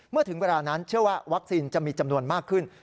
ถึงเวลานั้นเชื่อว่าวัคซีนจะมีจำนวนมากขึ้น